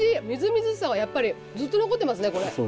みずみずしさはやっぱりずっと残ってますねこれ。